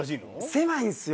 狭いんですよ